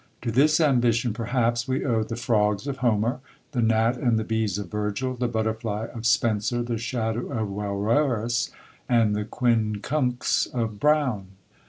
To this ambition, perhaps, we owe the Frogs of Homer; the Gnat and the Bees of Virgil; the Butterfly of Spenser; the Shadow of Wowerus; and the Quincunx of Browne.